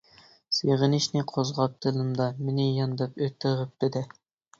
سېغىنىشنى قوزغاپ دىلىمدا، مېنى يانداپ ئۆتتى غىپپىدە.